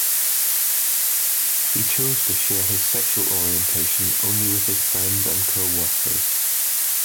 He chose to share his sexual orientation only with his friends and co-workers.